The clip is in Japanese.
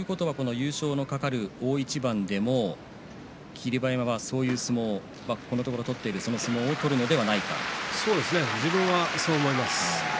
優勝の懸かる大一番でも霧馬山はそういう相撲このところ取っているそういう相撲を取るんではないか自分はそう思います。